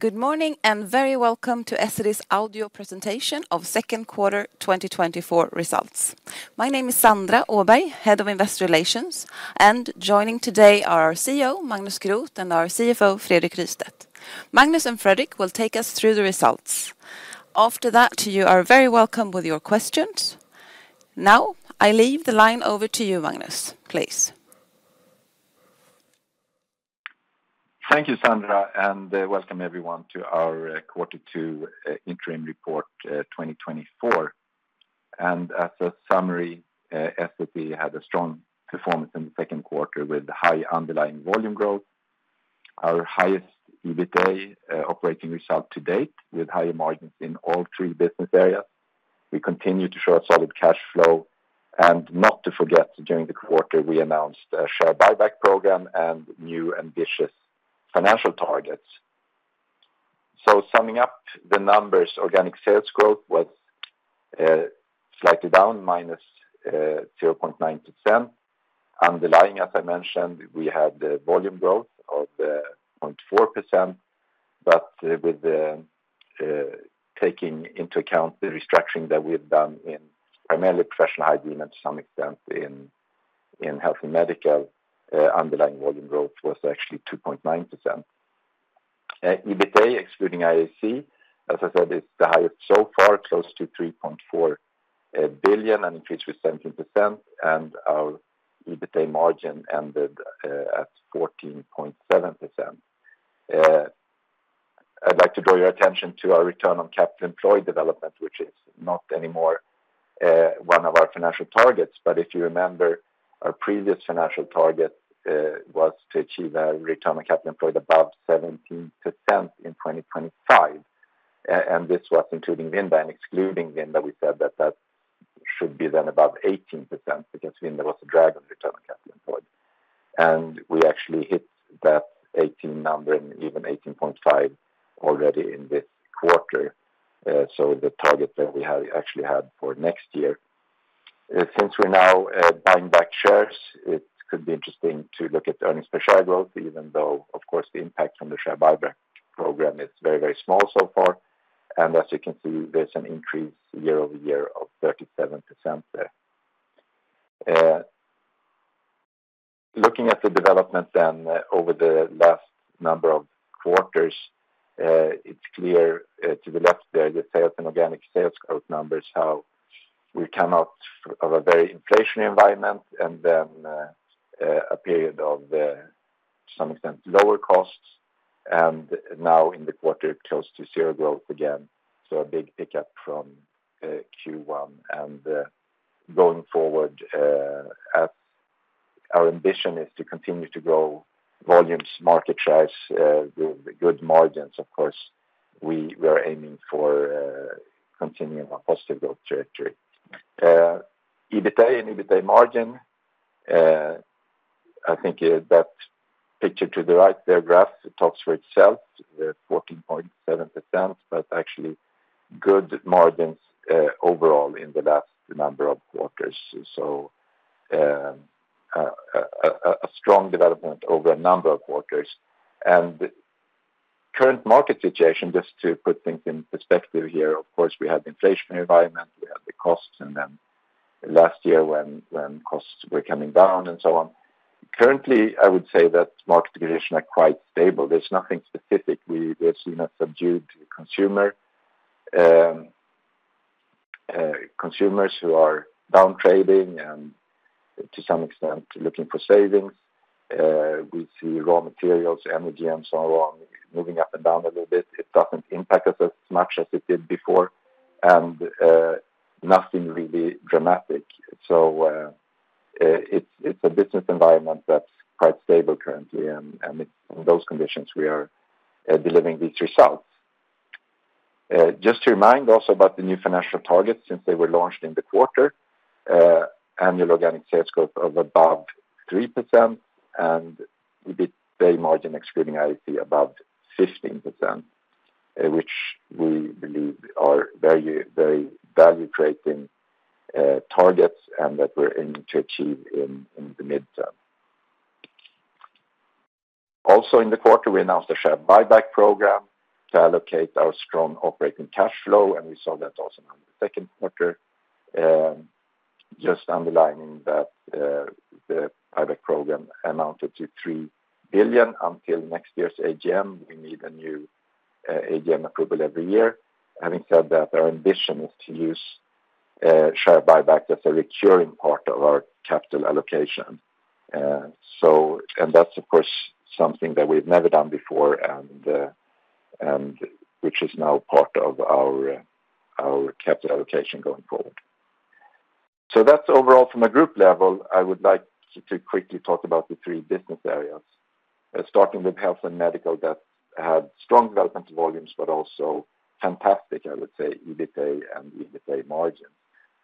Good morning, and very Welcome to Essity's audio presentation of Second Quarter 2024 results. My name is Sandra Åberg, Head of Investor Relations, and joining today are our CEO, Magnus Groth, and our CFO, Fredrik Rystedt. Magnus and Fredrik will take us through the results. After that, you are very welcome with your questions. Now, I leave the line over to you, Magnus, please. Thank you, Sandra, and welcome everyone to our quarter two interim report 2024. As a summary, Essity had a strong performance in the second quarter with high underlying volume growth, our highest EBITA operating result to date, with higher margins in all three business areas. We continue to show a solid cash flow, and not to forget, during the quarter, we announced a share buyback program and new ambitious financial targets. Summing up the numbers, organic sales growth was slightly down, -0.9%. Underlying, as I mentioned, we had the volume growth of 0.4%, but with the taking into account the restructuring that we've done in primarily professional hygiene and to some extent in health and medical, underlying volume growth was actually 2.9%. EBITA, excluding IAC, as I said, it's the highest so far, close to 3.4 billion, and increased with 17%, and our EBITA margin ended at 14.7%. I'd like to draw your attention to our return on capital employed development, which is not anymore one of our financial targets. But if you remember, our previous financial target was to achieve a return on capital employed above 17% in 2025, and this was including Vinda, and excluding Vinda, we said that that should be then above 18% because Vinda was a drag on return on capital employed. And we actually hit that 18 number and even 18.5 already in this quarter, so the target that we had actually had for next year. Since we're now buying back shares, it could be interesting to look at the earnings per share growth, even though, of course, the impact from the share buyback program is very, very small so far. As you can see, there's an increase year over year of 37% there. Looking at the development then over the last number of quarters, it's clear to the left there, the sales and organic sales growth numbers, how we come out of a very inflationary environment and then a period of some extent lower costs, and now in the quarter, close to zero growth again, so a big pickup from Q1. Going forward, as our ambition is to continue to grow volumes, market shares with good margins, of course, we are aiming for continuing a positive growth trajectory. EBITA and EBITA margin, I think that picture to the right there, graph, it talks for itself, the 14.7%, but actually good margins overall in the last number of quarters. So, a strong development over a number of quarters. Current market situation, just to put things in perspective here, of course, we had the inflationary environment, we had the costs, and then last year when costs were coming down and so on. Currently, I would say that market conditions are quite stable. There's nothing specific. We've seen a subdued consumer, consumers who are downtrading and to some extent, looking for savings. We see raw materials, energy, and so on, moving up and down a little bit. It doesn't impact us as much as it did before, and nothing really dramatic. It's a business environment that's quite stable currently, and in those conditions, we are delivering these results. Just to remind also about the new financial targets since they were launched in the quarter, annual organic sales growth of above 3%, and EBITA margin excluding IAC about 15%, which we believe are very, very value-creating targets and that we're aiming to achieve in the midterm. Also in the quarter, we announced a share buyback program to allocate our strong operating cash flow, and we saw that also in the second quarter. Just underlining that, the buyback program amounted to 3 billion until next year's AGM. We need a new AGM approval every year. Having said that, our ambition is to use share buyback as a recurring part of our capital allocation. So, and that's, of course, something that we've never done before, and, and which is now part of our, our capital allocation going forward. So that's overall from a group level. I would like to quickly talk about the three business areas, starting with health and medical, that had strong development volumes, but also fantastic, I would say, EBITA and EBITA margin.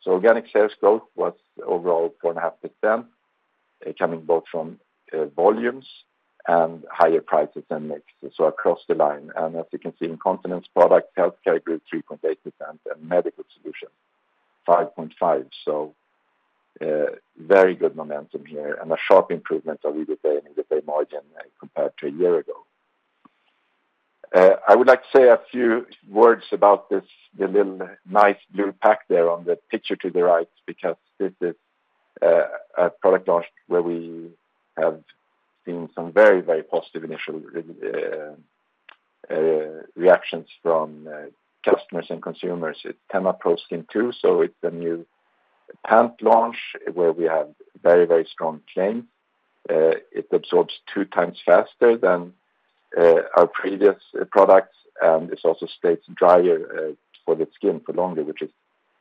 So organic sales growth was overall 4.5%, coming both from volumes and higher prices and mix, so across the line. And as you can see, incontinence products, healthcare grew 3.8% and medical solution, 5.5%. Very good momentum here and a sharp improvement of EBITA and EBITA margin compared to a year ago. I would like to say a few words about this, the little nice blue pack there on the picture to the right, because this is a product launch where we have seen some very, very positive initial reactions from customers and consumers. It's TENA ProSkin II, so it's a new pant launch where we have very, very strong claim. It absorbs 2x faster than our previous products, and it also stays drier for the skin for longer, which is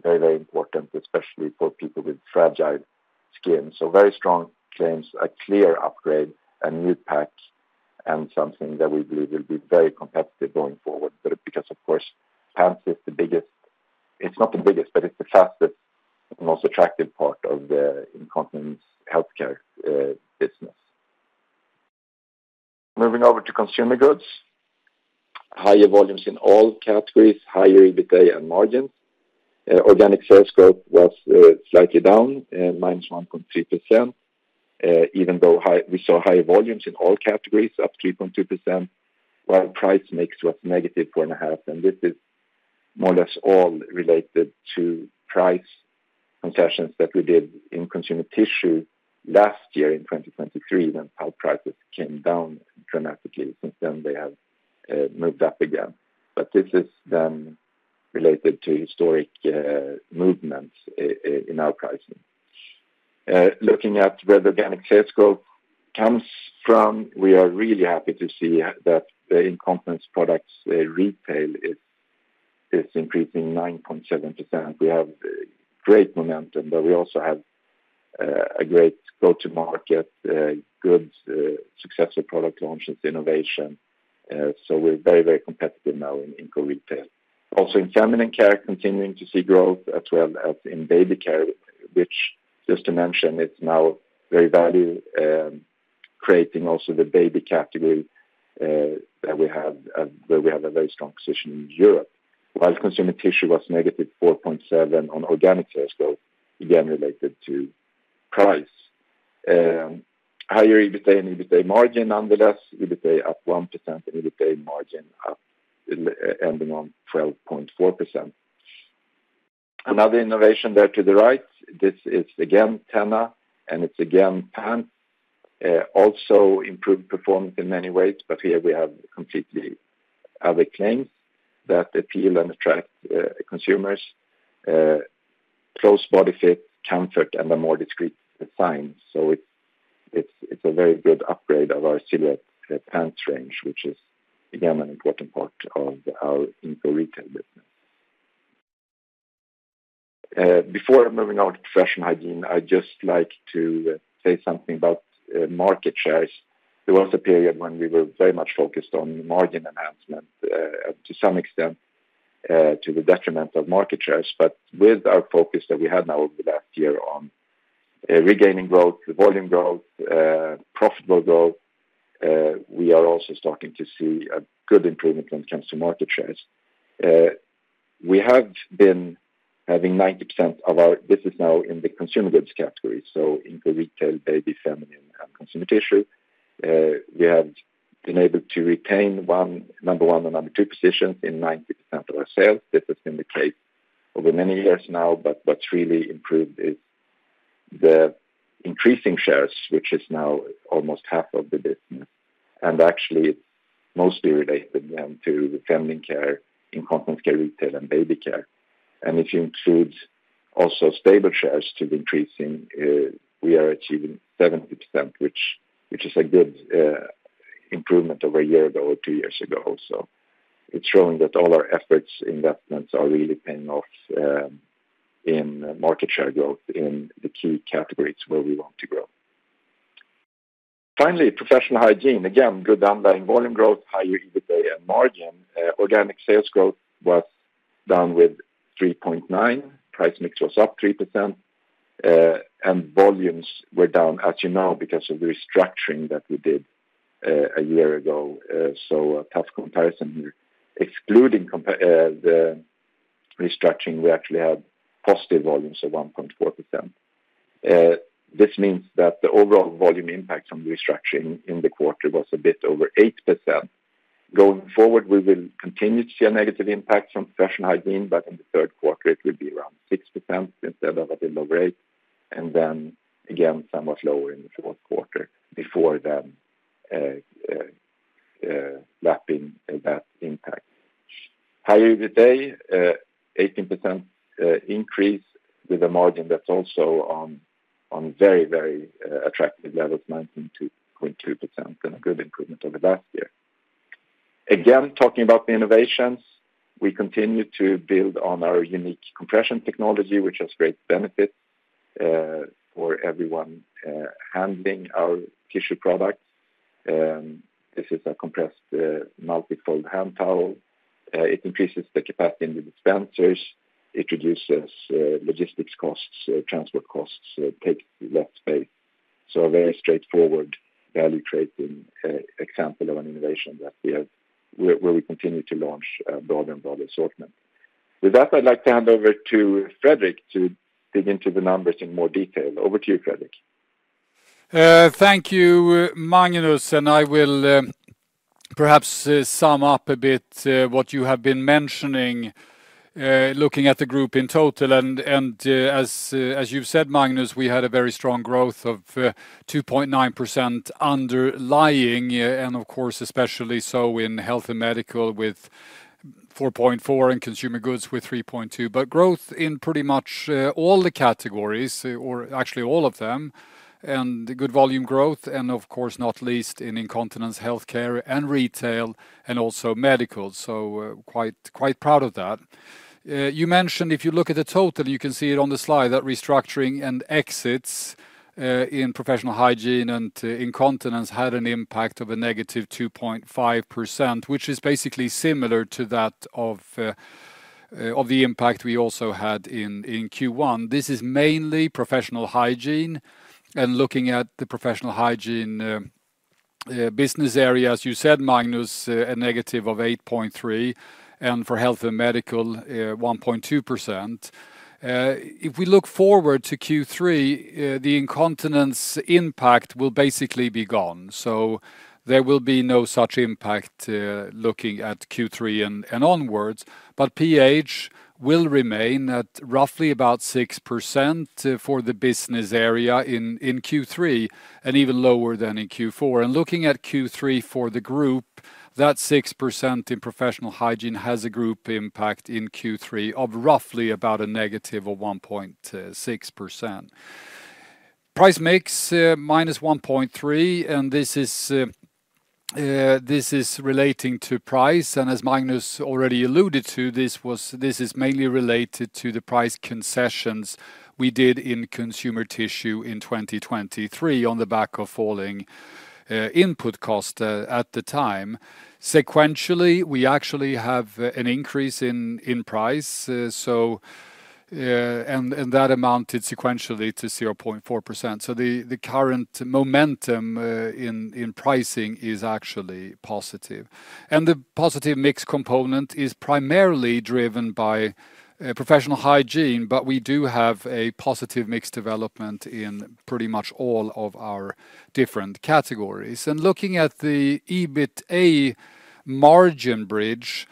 very, very important, especially for people with fragile skin. So very strong claims, a clear upgrade, a new pack, and something that we believe will be very competitive going forward. But because, of course, pants is the biggest-it's not the biggest, but it's the fastest and most attractive part of the incontinence healthcare business. Moving over to consumer goods, higher volumes in all categories, higher EBITDA and margins. Organic sales growth was slightly down -1.3%, even though we saw higher volumes in all categories, up 3.2%, while price mix was negative 4.5%, and this is more or less all related to price concessions that we did in consumer tissue last year in 2023, when our prices came down dramatically. Since then, they have moved up again. But this is then related to historic movements in our pricing. Looking at where the organic sales growth comes from, we are really happy to see that the incontinence products retail is increasing 9.7%. We have great momentum, but we also have a great go-to-market, good successful product launches, innovation. So we're very, very competitive now in core retail. Also, in feminine care, continuing to see growth as well as in baby care, which just to mention, it's now very value creating also the baby category that we have where we have a very strong position in Europe. While consumer tissue was negative 4.7 on organic sales though, again, related to price. Higher EBITA and EBITA margin, nonetheless, EBITA up 1%, and EBITA margin up, ending on 12.4%. Another innovation there to the right, this is again, TENA, and it's again, pant. Also improved performance in many ways, but here we have completely other claims that appeal and attract consumers. Close body fit, comfort, and a more discreet design. So it's a very good upgrade of our Silhouette pants range, which is again an important part of our incontinence retail business. Before moving on to professional hygiene, I'd just like to say something about market shares. There was a period when we were very much focused on margin enhancement, to some extent, to the detriment of market shares. But with our focus that we have now over the last year on regaining growth, volume growth, profitable growth, we are also starting to see a good improvement when it comes to market shares. We have been having 90% of our business now in the consumer goods category, so in the retail, baby, feminine, and consumer tissue. We have been able to retain number one and number two positions in 90% of our sales. This has been the case over many years now, but what's really improved is the increasing shares, which is now almost half of the business, and actually, mostly related then to the feminine care, incontinence care retail, and baby care. And if you include also stable shares to increasing, we are achieving 70%, which, which is a good improvement over a year ago or two years ago also. It's showing that all our efforts, investments, are really paying off in market share growth in the key categories where we want to grow. Finally, professional hygiene. Again, good underlying volume growth, higher EBITA and margin. Organic sales growth was down 3.9%, price mix was up 3%, and volumes were down, actually, now because of the restructuring that we did a year ago, so a tough comparison here. Excluding the restructuring, we actually had positive volumes of 1.4%. This means that the overall volume impact from the restructuring in the quarter was a bit over 8%. Going forward, we will continue to see a negative impact from professional hygiene, but in the third quarter, it will be around 6% instead of a bit lower rate, and then again, somewhat lower in the fourth quarter before then lapping that impact. Higher EBITDA, 18% increase with a margin that's also on very attractive levels, 19.2%, and a good improvement over last year. Again, talking about the innovations, we continue to build on our unique compression technology, which has great benefits for everyone handling our tissue products. This is a compressed multi-fold hand towel. It increases the capacity in the dispensers, it reduces logistics costs, transport costs, take less space. So a very straightforward value creating example of an innovation that we have, where we continue to launch broader and broader assortment. With that, I'd like to hand over to Fredrik to dig into the numbers in more detail. Over to you, Fredrik. Thank you, Magnus, and I will perhaps sum up a bit what you have been mentioning, looking at the group in total, and as you've said, Magnus, we had a very strong growth of 2.9% underlying, and of course, especially so in health and medical, with 4.4%, and consumer goods with 3.2%. But growth in pretty much all the categories, or actually all of them, and good volume growth, and of course, not least in incontinence, healthcare, and retail, and also medical, so quite, quite proud of that. You mentioned if you look at the total, you can see it on the slide, that restructuring and exits in professional hygiene and incontinence had an impact of -2.5%, which is basically similar to that of the impact we also had in Q1. This is mainly professional hygiene. Looking at the professional hygiene business area, as you said, Magnus, -8.3%, and for health and medical, 1.2%. If we look forward to Q3, the incontinence impact will basically be gone, so there will be no such impact looking at Q3 and onwards. But PH will remain at roughly about 6% for the business area in Q3, and even lower than in Q4. Looking at Q3 for the group, that 6% in professional hygiene has a group impact in Q3 of roughly about -1.6%. Price mix -1.3%, and this is relating to price, and as Magnus already alluded to, this is mainly related to the price concessions we did in consumer tissue in 2023, on the back of falling input cost at the time. Sequentially, we actually have an increase in price. And that amounted sequentially to 0.4%. So the current momentum in pricing is actually positive. And the positive mix component is primarily driven by professional hygiene, but we do have a positive mix development in pretty much all of our different categories. And looking at the EBITA margin bridge,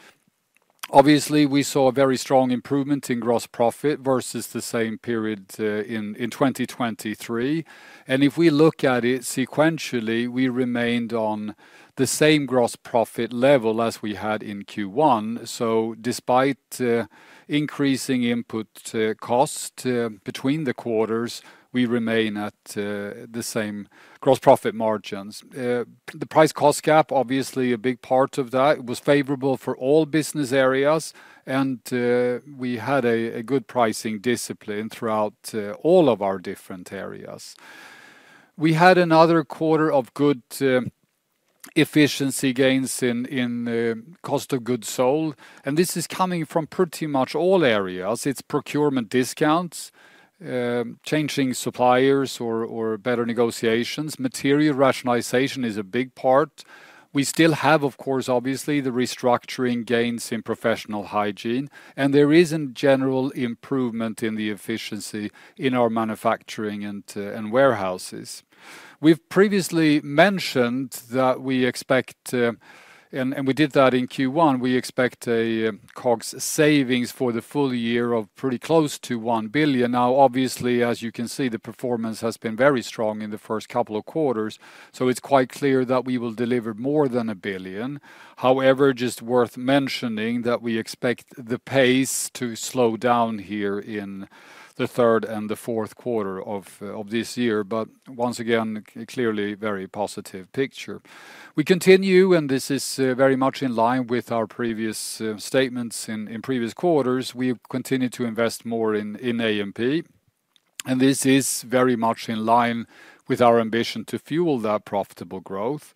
obviously, we saw a very strong improvement in gross profit versus the same period in 2023. If we look at it sequentially, we remained on the same gross profit level as we had in Q1. Despite increasing input cost between the quarters, we remain at the same gross profit margins. The price cost gap, obviously a big part of that. It was favorable for all business areas, and we had a good pricing discipline throughout all of our different areas. We had another quarter of good efficiency gains in cost of goods sold, and this is coming from pretty much all areas. It's procurement discounts, changing suppliers or better negotiations. Material rationalization is a big part. We still have, of course, obviously, the restructuring gains in professional hygiene, and there is a general improvement in the efficiency in our manufacturing and warehouses. We've previously mentioned that we expect... We did that in Q1. We expect a COGS savings for the full year of pretty close to 1 billion. Now, obviously, as you can see, the performance has been very strong in the first couple of quarters, so it's quite clear that we will deliver more than 1 billion. However, just worth mentioning that we expect the pace to slow down here in the third and the fourth quarter of this year, but once again, clearly very positive picture. We continue, and this is very much in line with our previous statements in previous quarters. We've continued to invest more in A&P, and this is very much in line with our ambition to fuel that profitable growth.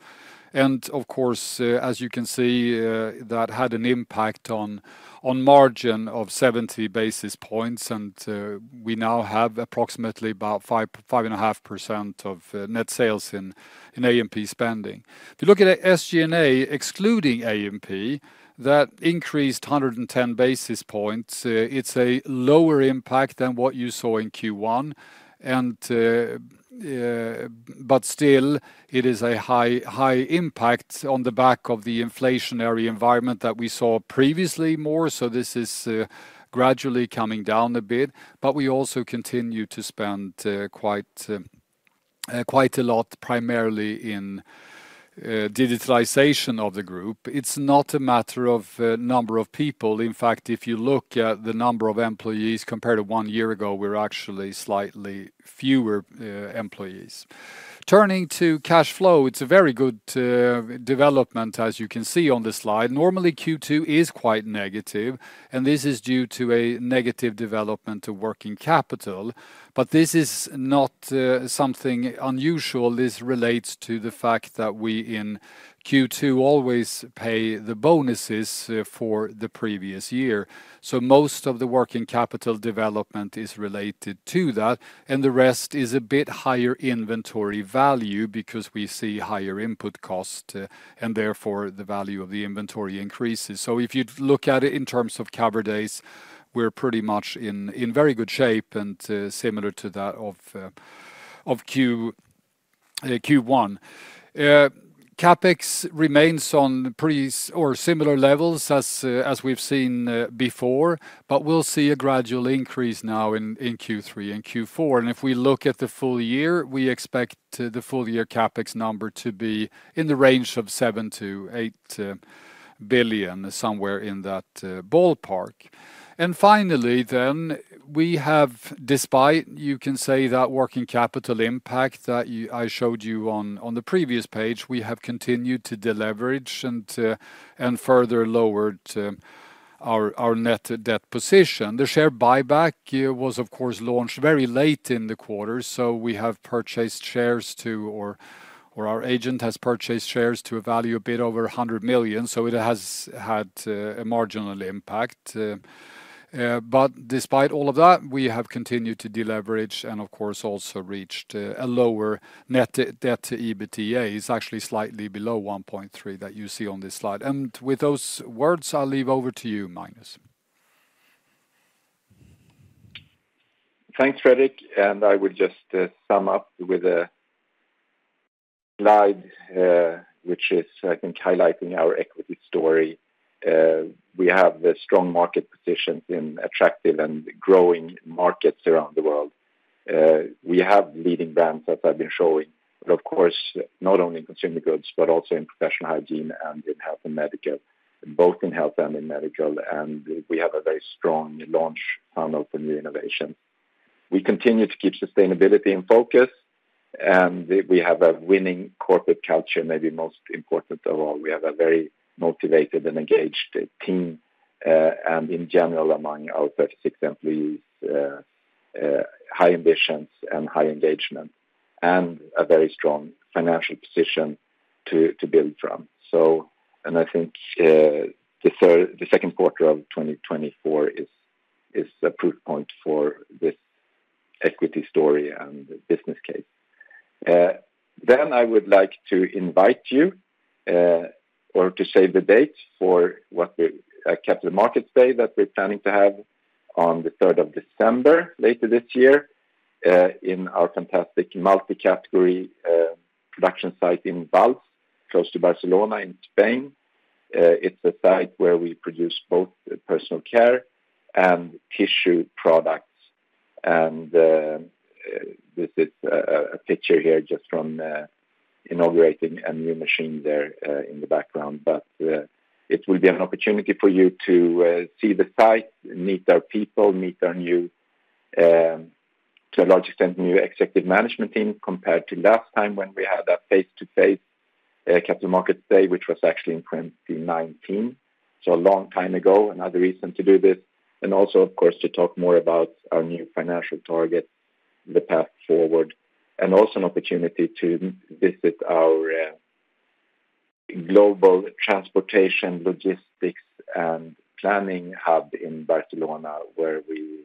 Of course, as you can see, that had an impact on margin of 70 basis points, and we now have approximately 5-5.5% of net sales in A&P spending. If you look at SG&A, excluding A&P, that increased 110 basis points. It's a lower impact than what you saw in Q1, and, but still, it is a high, high impact on the back of the inflationary environment that we saw previously more, so this is gradually coming down a bit. But we also continue to spend quite a lot, primarily in digitalization of the group. It's not a matter of number of people. In fact, if you look at the number of employees compared to one year ago, we're actually slightly fewer employees. Turning to cash flow, it's a very good development, as you can see on the slide. Normally, Q2 is quite negative, and this is due to a negative development to working capital. But this is not something unusual. This relates to the fact that we, in Q2, always pay the bonuses for the previous year. So most of the working capital development is related to that, and the rest is a bit higher inventory value because we see higher input cost, and therefore the value of the inventory increases. So if you'd look at it in terms of cover days, we're pretty much in very good shape and similar to that of Q1. CapEx remains on pretty or similar levels as we've seen before, but we'll see a gradual increase now in Q3 and Q4. And if we look at the full year, we expect the full year CapEx number to be in the range of 7 billion-8 billion, somewhere in that ballpark. And finally, then, we have, despite, you can say, that working capital impact that I showed you on the previous page, we have continued to deleverage and further lowered our net debt position. The share buyback was, of course, launched very late in the quarter, so we have purchased shares to, or our agent has purchased shares to a value a bit over 100 million, so it has had a marginal impact. But despite all of that, we have continued to deleverage and of course, also reached a lower net debt to EBITDA. It's actually slightly below 1.3 that you see on this slide. With those words, I'll leave over to you, Magnus. Thanks, Fredrik, and I would just sum up with a slide, which is, I think, highlighting our equity story. We have a strong market position in attractive and growing markets around the world. We have leading brands, as I've been showing, but of course, not only in consumer goods, but also in professional hygiene and in health and medical, both in health and in medical, and we have a very strong launch funnel for new innovation. We continue to keep sustainability in focus, and we have a winning corporate culture, maybe most important of all. We have a very motivated and engaged team, and in general, among our 36 employees, high ambitions and high engagement, and a very strong financial position to build from. So I think the second quarter of 2024 is a proof point for this equity story and business case. Then I would like to invite you or to save the date for the Capital Markets Day that we're planning to have on the third of December, later this year, in our fantastic multi-category production site in Valls, close to Barcelona, in Spain. It's a site where we produce both personal care and tissue products, and this is a picture here just from inaugurating a new machine there, in the background. But, it will be an opportunity for you to see the site, meet our people, meet our new, to a large extent, new executive management team, compared to last time when we had a face-to-face Capital Markets Day, which was actually in 2019, so a long time ago, another reason to do this. And also, of course, to talk more about our new financial target, the path forward, and also an opportunity to visit our global transportation, logistics, and planning hub in Barcelona, where we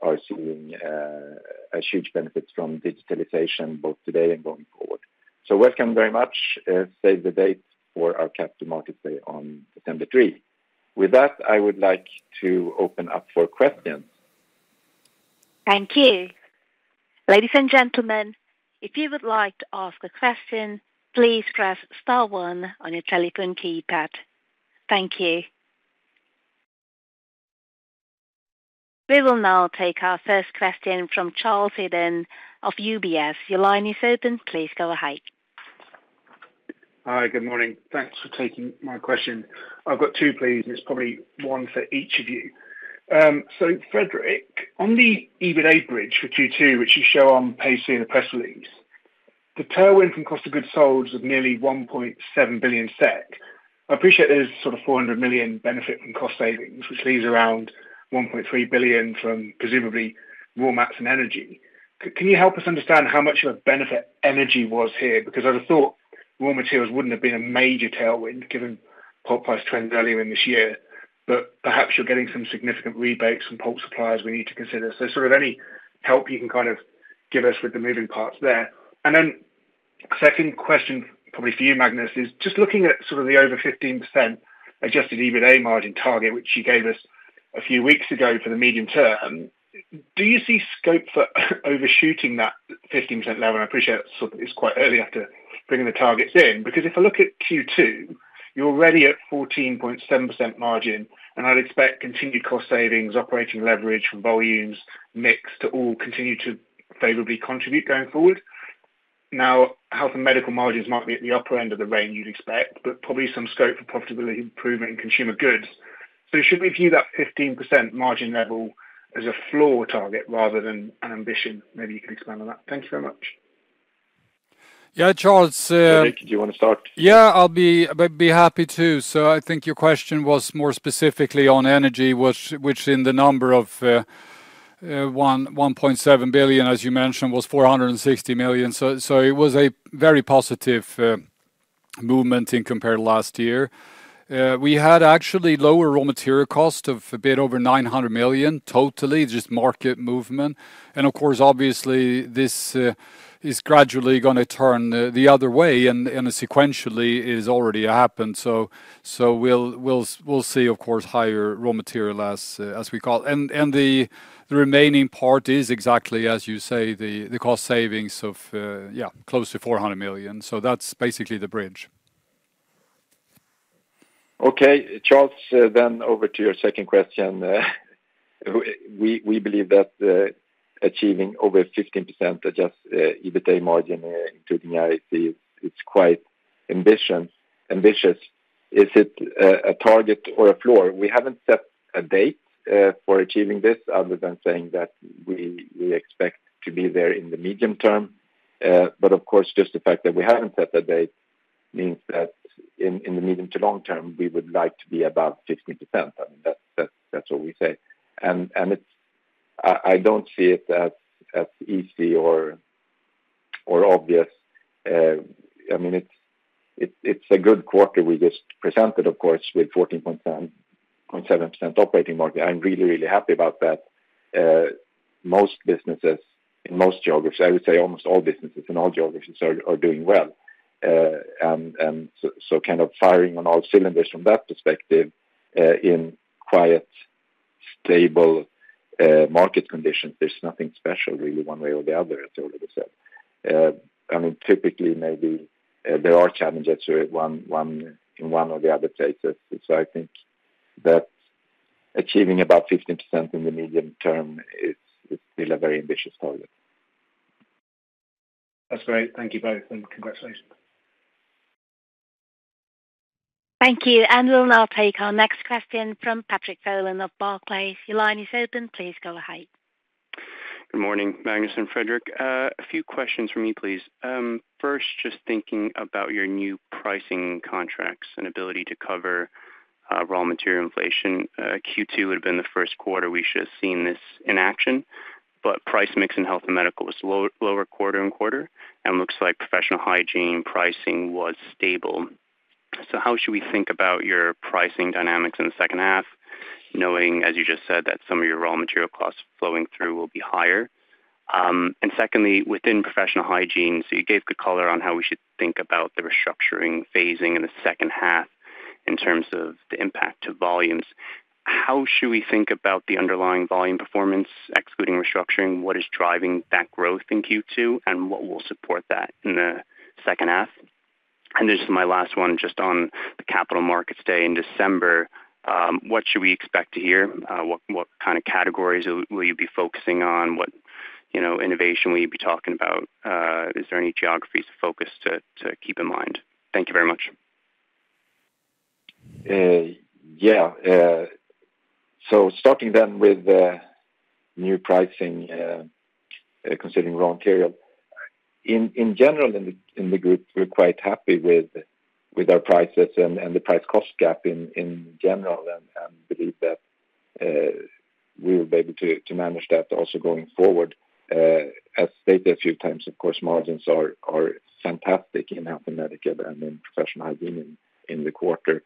are seeing a huge benefit from digitalization, both today and going forward. So welcome very much, save the date for our Capital Markets Day on December 3. With that, I would like to open up for questions. Thank you. Ladies and gentlemen, if you would like to ask a question, please press star one on your telephone keypad. Thank you. We will now take our first question from Charles Eden of UBS. Your line is open. Please go ahead. Hi, good morning. Thanks for taking my question. I've got two, please, and it's probably one for each of you. So Fredrik, on the EBITA bridge for Q2, which you show on page three of the press release, the tailwind from cost of goods sold is of nearly 1.7 billion SEK. I appreciate there's sort of 400 million benefit from cost savings, which leaves around 1.3 billion from presumably raw mats and energy. Can you help us understand how much of a benefit energy was here? Because I'd have thought raw materials wouldn't have been a major tailwind, given pulp price trends earlier in this year, but perhaps you're getting some significant rebates from pulp suppliers we need to consider. So sort of any help you can kind of give us with the moving parts there. Second question, probably for you, Magnus, is just looking at sort of the over 15% adjusted EBITA margin target, which you gave us a few weeks ago for the medium term. Do you see scope for overshooting that 15% level? I appreciate sort of it's quite early after bringing the targets in, because if I look at Q2, you're already at 14.7% margin, and I'd expect continued cost savings, operating leverage from volumes, mix to all continue to favorably contribute going forward. Now, health and medical margins might be at the upper end of the range you'd expect, but probably some scope for profitability improvement in consumer goods. So should we view that 15% margin level as a floor target rather than an ambition? Maybe you can expand on that. Thank you so much. Yeah, Charles, Fredrik, do you want to start? Yeah, I'll be happy to. So I think your question was more specifically on energy, which in the number of 1.7 billion, as you mentioned, was 460 million. So it was a very positive movement compared to last year. We had actually lower raw material cost of a bit over 900 million, totally, just market movement. And of course, obviously, this is gradually gonna turn the other way, and sequentially it's already happened. So we'll see, of course, higher raw material as we call. And the remaining part is exactly, as you say, the cost savings of yeah, close to 400 million. So that's basically the bridge. Okay, Charles, then over to your second question. We believe that achieving over 15% adjusted EBITA margin, including RIC, it's quite ambitious. Is it a target or a floor? We haven't set a date for achieving this, other than saying that we expect to be there in the medium term. But of course, just the fact that we haven't set a date means that in the medium to long term, we would like to be about 15%. I mean, that's what we say. And it's. I don't see it as easy or obvious. I mean, it's a good quarter we just presented, of course, with 14.17% operating margin. I'm really happy about that. Most businesses in most geographies, I would say almost all businesses in all geographies are doing well. And so kind of firing on all cylinders from that perspective, in quiet, stable market conditions, there's nothing special, really, one way or the other, as I already said. I mean, typically, maybe, there are challenges to it, one in one or the other places. So I think that achieving about 15% in the medium term is still a very ambitious target. That's great. Thank you both, and congratulations. Thank you, and we'll now take our next question from Patrick Folan of Barclays. Your line is open. Please go ahead. Good morning, Magnus and Fredrik. A few questions from me, please. First, just thinking about your new pricing contracts and ability to cover raw material inflation. Q2 would have been the first quarter we should have seen this in action, but price mix in health and medical was lower quarter-over-quarter, and looks like professional hygiene pricing was stable. So how should we think about your pricing dynamics in the second half, knowing, as you just said, that some of your raw material costs flowing through will be higher? And secondly, within professional hygiene, you gave good color on how we should think about the restructuring phasing in the second half in terms of the impact to volumes. How should we think about the underlying volume performance, excluding restructuring? What is driving that growth in Q2, and what will support that in the second half? And this is my last one, just on the Capital Markets Day in December, what should we expect to hear? What kind of categories will you be focusing on? What, you know, innovation will you be talking about? Is there any geographic focus to keep in mind? Thank you very much. Yeah. So starting then with the new pricing, considering raw material. In general, in the group, we're quite happy with our prices and the price cost gap in general, and believe that we will be able to manage that also going forward. As stated a few times, of course, margins are fantastic in Health & Medical and in Professional Hygiene in the quarter.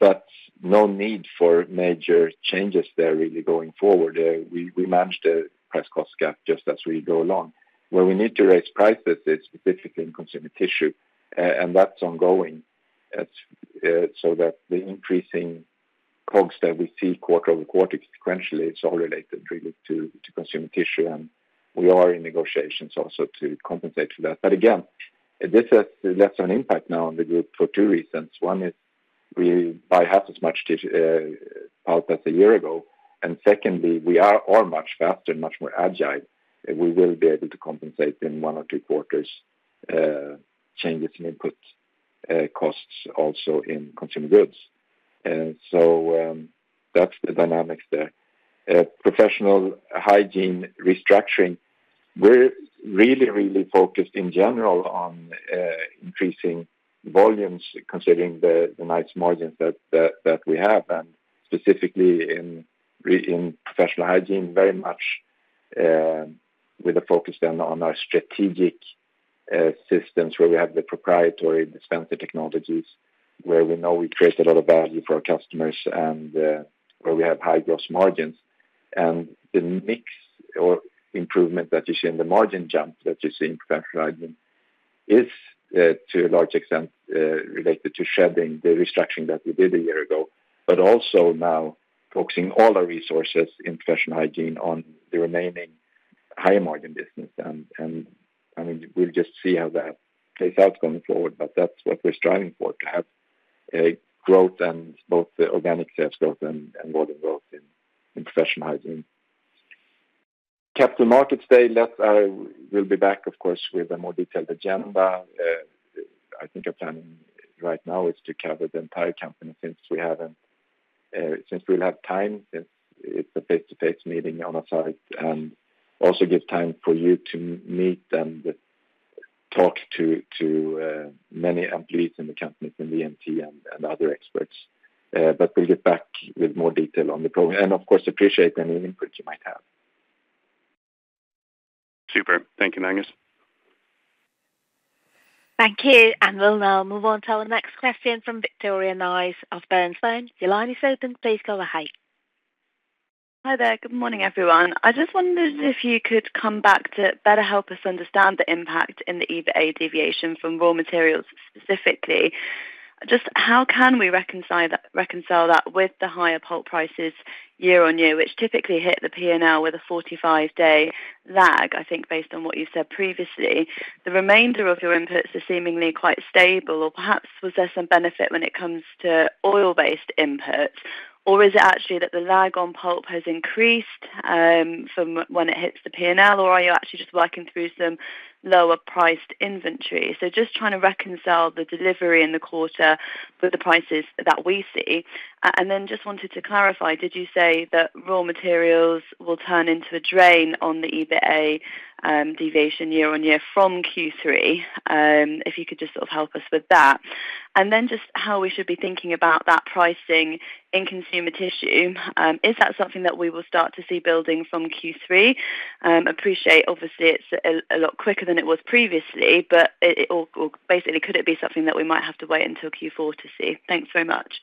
But no need for major changes there, really, going forward. We manage the price cost gap just as we go along. Where we need to raise prices, it's specifically in Consumer Tissue, and that's ongoing. It's so that the increasing costs that we see quarter-over-quarter sequentially, it's all related really to Consumer Tissue, and we are in negotiations also to compensate for that. But again, this has less an impact now on the group for two reasons. One is we buy half as much tissue, pulp as a year ago, and secondly, we are much faster and much more agile, and we will be able to compensate in one or two quarters, changes in input, costs also in consumer goods. So, that's the dynamics there. Professional hygiene restructuring, we're really, really focused in general on increasing volumes, considering the nice margins that we have, and specifically in professional hygiene, very much with a focus then on our strategic systems, where we have the proprietary dispenser technologies, where we know we create a lot of value for our customers and where we have high gross margins. And the mix or improvement that you see in the margin jump, that you see in Professional Hygiene, is, to a large extent, related to shedding the restructuring that we did a year ago, but also now focusing all our resources in Professional Hygiene on the remaining high-margin business. And, and, I mean, we'll just see how that plays out going forward, but that's what we're striving for, to have a growth and both the organic sales growth and, and volume growth in, in Professional Hygiene. Capital Markets Day, let's, we'll be back, of course, with a more detailed agenda. I think our planning right now is to cover the entire company, since we'll have time, since it's a face-to-face meeting on our side, and also gives time for you to meet and talk to many employees in the company, from the MT and other experts. But we'll get back with more detail on the program, and of course, appreciate any input you might have. Super. Thank you, Magnus. Thank you, and we'll now move on to our next question from Victoria Nice of Bernstein. Your line is open. Please go ahead. Hi there. Good morning, everyone. I just wondered if you could come back to better help us understand the impact in the EBITA deviation from raw materials specifically. Just how can we reconcile that, reconcile that with the higher pulp prices year-on-year, which typically hit the P&L with a 45-day lag, I think, based on what you said previously? The remainder of your inputs are seemingly quite stable, or perhaps was there some benefit when it comes to oil-based inputs? Or is it actually that the lag on pulp has increased from when it hits the PNL, or are you actually just working through some lower-priced inventory? So just trying to reconcile the delivery in the quarter with the prices that we see. And then just wanted to clarify, did you say that raw materials will turn into a drain on the EBITA deviation year on year from Q3? If you could just sort of help us with that. And then just how we should be thinking about that pricing in consumer tissue, is that something that we will start to see building from Q3? Appreciate, obviously, it's a lot quicker than it was previously, but, or basically, could it be something that we might have to wait until Q4 to see? Thanks so much.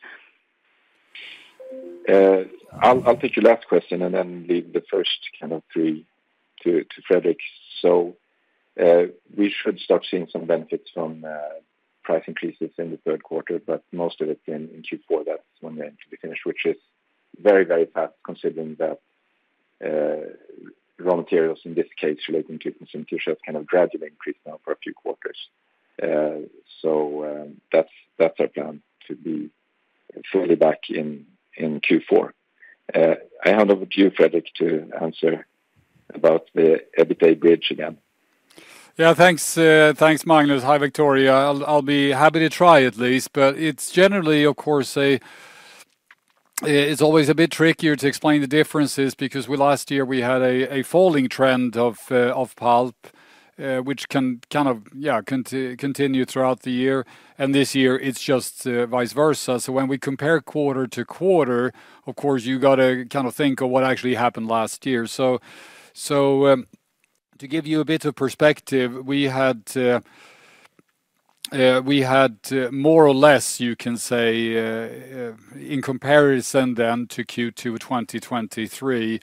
I'll take your last question and then leave the first kind of three to Fredrik. So, we should start seeing some benefits from price increases in the third quarter, but most of it in Q4, that's when they actually finish, which is very, very fast considering that raw materials, in this case, relating to consumer tissue, have kind of gradually increased now for a few quarters. So, that's our plan, to be fully back in Q4. I hand over to you, Fredrik, to answer about the EBITA bridge again. Yeah, thanks, thanks, Magnus. Hi, Victoria. I'll be happy to try at least, but it's generally, of course, it's always a bit trickier to explain the differences, because last year we had a falling trend of pulp, which can kind of continue throughout the year, and this year it's just vice versa. So when we compare quarter to quarter, of course, you gotta kinda think of what actually happened last year. So to give you a bit of perspective, we had more or less, you can say, in comparison then to Q2 2023,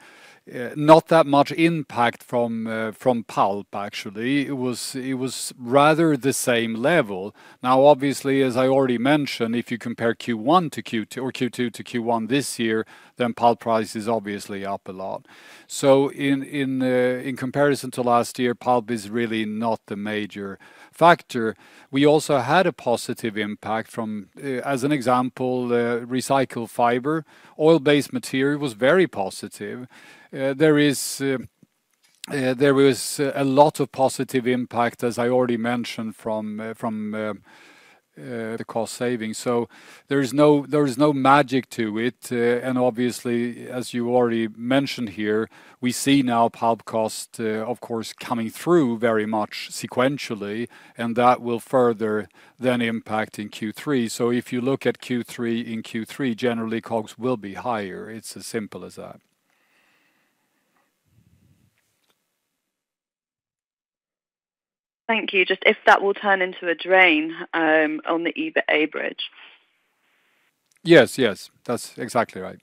not that much impact from pulp, actually. It was rather the same level. Now, obviously, as I already mentioned, if you compare Q1 to Q2, or Q2 to Q1 this year, then pulp price is obviously up a lot. So in comparison to last year, pulp is really not the major factor. We also had a positive impact from, as an example, recycled fiber. Oil-based material was very positive. There was a lot of positive impact, as I already mentioned, from the cost savings. So there is no magic to it, and obviously, as you already mentioned here, we see now pulp cost, of course, coming through very much sequentially, and that will further then impact in Q3. So if you look at Q3, in Q3, generally, COGS will be higher. It's as simple as that. Thank you. Just if that will turn into a drain on the EBITA bridge? Yes, yes, that's exactly right.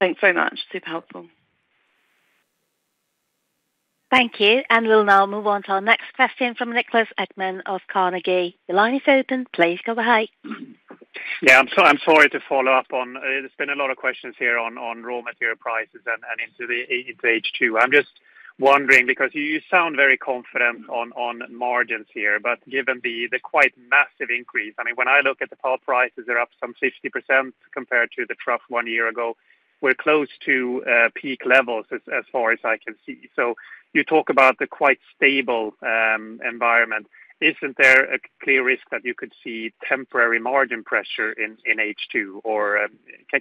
Thanks very much. Super helpful. Thank you, and we'll now move on to our next question from Niklas Ekman of Carnegie. Your line is open. Please go ahead. Yeah, I'm sorry to follow up on, there's been a lot of questions here on raw material prices and into H2. I'm just wondering, because you sound very confident on margins here, but given the quite massive increase, I mean, when I look at the pulp prices, they're up some 60% compared to the trough one year ago. We're close to peak levels as far as I can see. So you talk about the quite stable environment. Isn't there a clear risk that you could see temporary margin pressure in H2? Or,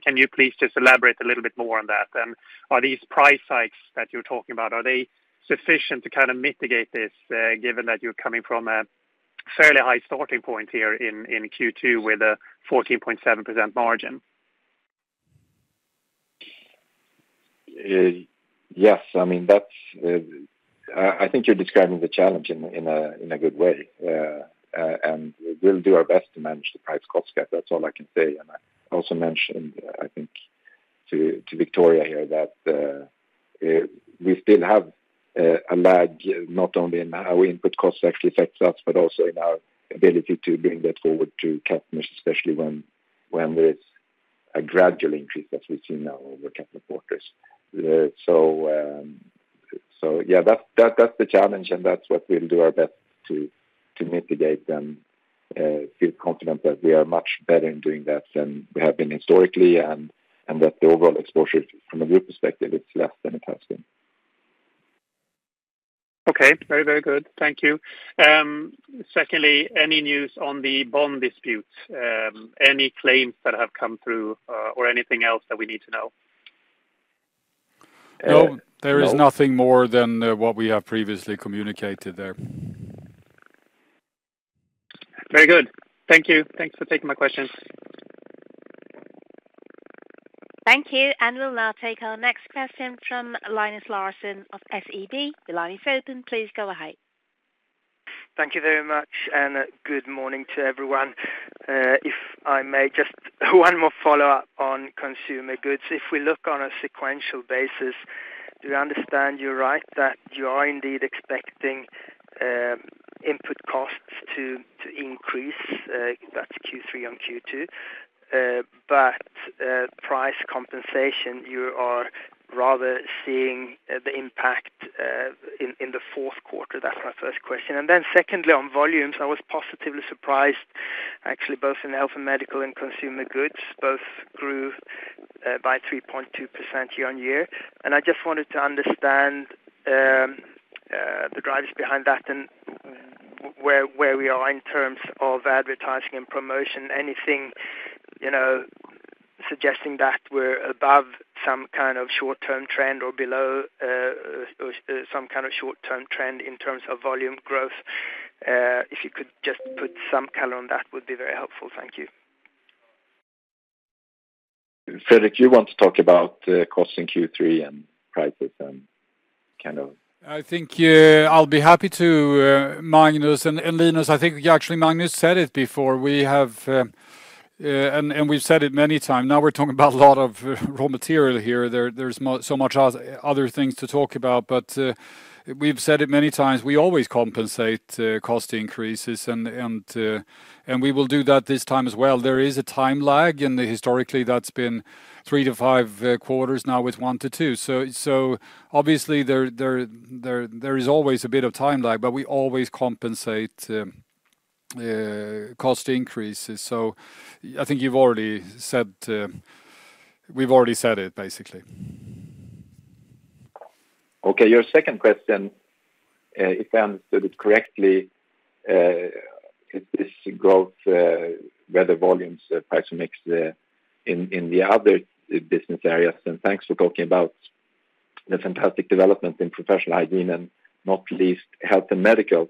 can you please just elaborate a little bit more on that? Are these price hikes that you're talking about sufficient to kind of mitigate this, given that you're coming from a fairly high starting point here in Q2 with a 14.7% margin? Yes, I mean, that's, I think you're describing the challenge in a good way. And we'll do our best to manage the price cost gap. That's all I can say. And I also mentioned, I think, to Victoria here, that we still have a lag, not only in how input costs actually affects us, but also in our ability to bring that forward to customers, especially when there's a gradual increase, as we've seen now over a couple of quarters. So yeah, that's the challenge, and that's what we'll do our best to mitigate and feel confident that we are much better in doing that than we have been historically, and that the overall exposure from a group perspective is less than it has been. Okay. Very, very good. Thank you. Secondly, any news on the bond dispute? Any claims that have come through, or anything else that we need to know? No. There is nothing more than what we have previously communicated there. Very good. Thank you. Thanks for taking my questions. Thank you, and we'll now take our next question from Linus Larsson of SEB. Your line is open. Please go ahead. Thank you very much, and good morning to everyone. If I may, just one more follow-up on consumer goods. If we look on a sequential basis, do I understand you right, that you are indeed expecting? input costs to increase, that's Q3 on Q2. But price compensation, you are rather seeing the impact in the fourth quarter. That's my first question. And then secondly, on volumes, I was positively surprised, actually, both in health and medical and consumer goods. Both grew by 3.2% year-on-year. And I just wanted to understand the drivers behind that and where we are in terms of advertising and promotion. Anything, you know, suggesting that we're above some kind of short-term trend or below some kind of short-term trend in terms of volume growth? If you could just put some color on that, would be very helpful. Thank you. Fredrik, you want to talk about cost in Q3 and prices and kind of? I think, I'll be happy to, Magnus and Linus, I think actually Magnus said it before. We have, we've said it many time. Now we're talking about a lot of raw material here. There, there's so much other things to talk about, but, we've said it many times, we always compensate cost increases, and we will do that this time as well. There is a time lag, and historically, that's been 3-5 quarters, now it's 1-2. So obviously, there is always a bit of time lag, but we always compensate cost increases. So I think you've already said, we've already said it, basically. Okay, your second question, if I understood it correctly, is this growth where the volumes, price mix, in the other business areas. Thanks for talking about the fantastic development in professional hygiene and not least, health and medical.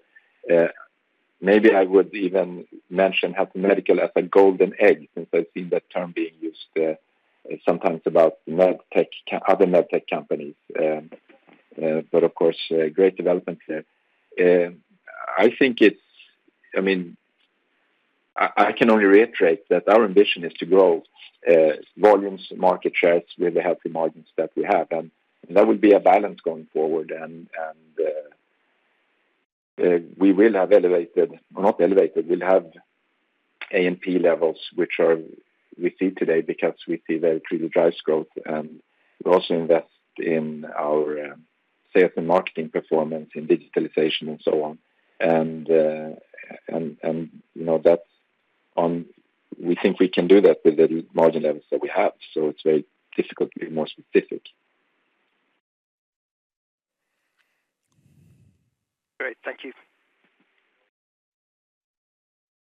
Maybe I would even mention health and medical as a golden egg, since I've seen that term being used, sometimes about med tech, other med tech companies. But of course, great development there. I think I mean, I can only reiterate that our ambition is to grow volumes, market shares with the healthy margins that we have, and that would be a balance going forward. We will have elevated, not elevated, we'll have A&P levels, which are we see today because we see very clearly drives growth, and we also invest in our sales and marketing performance in digitalization and so on. You know, that's on, we think we can do that with the margin levels that we have, so it's very difficult to be more specific. Great. Thank you.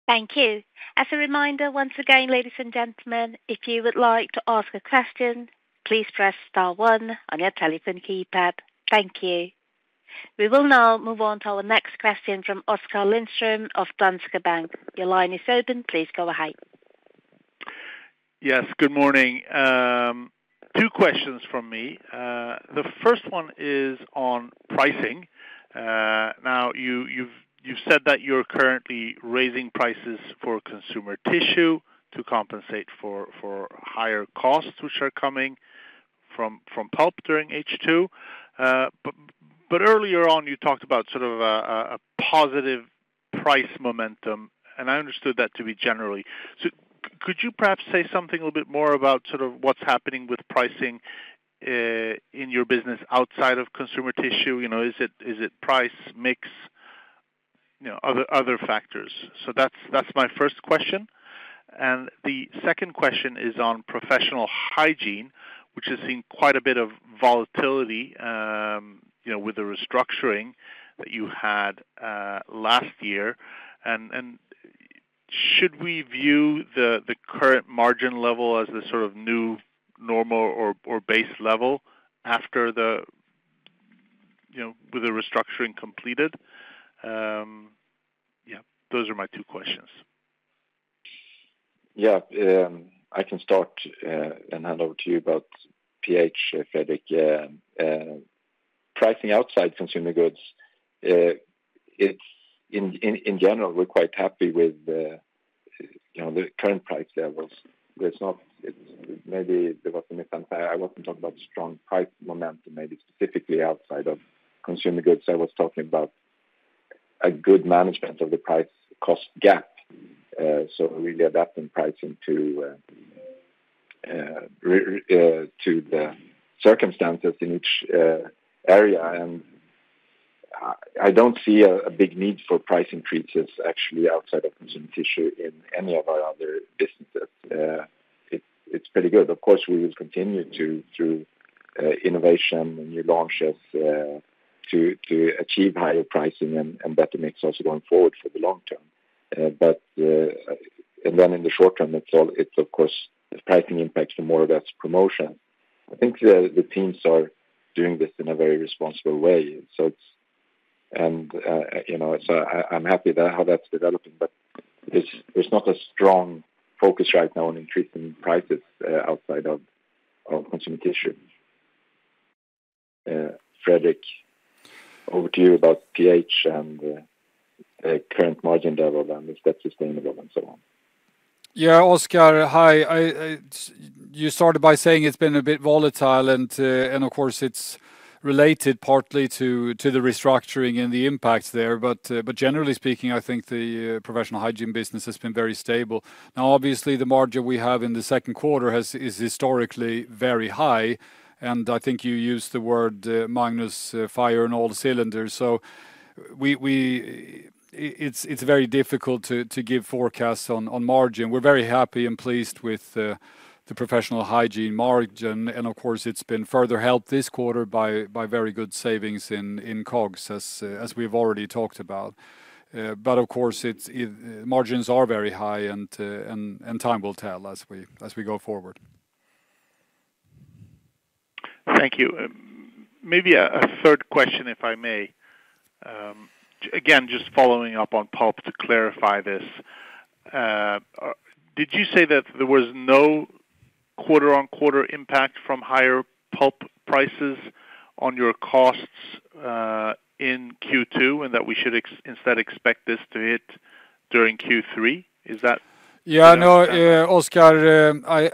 Thank you. As a reminder, once again, ladies and gentlemen, if you would like to ask a question, please press star one on your telephone keypad. Thank you. We will now move on to our next question from Oskar Lindström of Danske Bank. Your line is open. Please go ahead. Yes, good morning. Two questions from me. The first one is on pricing. Now, you, you've said that you're currently raising prices for consumer tissue to compensate for higher costs, which are coming from pulp during H2. But earlier on, you talked about sort of a positive price momentum, and I understood that to be generally. So could you perhaps say something a little bit more about sort of what's happening with pricing in your business outside of consumer tissue? You know, is it price mix, you know, other factors? So that's my first question. And the second question is on professional hygiene, which has seen quite a bit of volatility, you know, with the restructuring that you had last year. Should we view the current margin level as the sort of new normal or base level after the, you know, with the restructuring completed? Yeah, those are my two questions. Yeah, I can start, and hand over to you about PH, Fredrik. Pricing outside consumer goods, it's in general, we're quite happy with the, you know, the current price levels. There's not, maybe there was a misunderstanding. I wasn't talking about strong price momentum, maybe specifically outside of consumer goods. I was talking about a good management of the price cost gap, so really adapting pricing to the circumstances in each area. And I don't see a big need for price increases actually outside of consumer tissue in any of our other businesses. It's pretty good. Of course, we will continue to, through innovation and new launches, to achieve higher pricing and better mix also going forward for the long term. But then in the short term, it's all, it's of course, the pricing impacts are more or less promotion. I think the teams are doing this in a very responsible way. So it's... You know, so I'm happy about how that's developing, but there's not a strong focus right now on increasing prices outside of consumer tissue. Fredrik, over to you about PH and current margin level, and if that's sustainable and so on. Yeah, Oskar, hi. You started by saying it's been a bit volatile, and of course, it's related partly to the restructuring and the impact there. But generally speaking, I think the professional hygiene business has been very stable. Now, obviously, the margin we have in the second quarter is historically very high, and I think you used the word, Magnus, fire in all cylinders. So it's very difficult to give forecasts on margin. We're very happy and pleased with the professional hygiene margin, and of course, it's been further helped this quarter by very good savings in COGS, as we've already talked about. But of course, margins are very high, and time will tell as we go forward. Thank you. Maybe a third question, if I may. Again, just following up on pulp to clarify this. Did you say that there was no quarter-on-quarter impact from higher pulp prices on your costs in Q2, and that we should instead expect this to hit during Q3? Is that? Yeah, no. Understand? Oskar,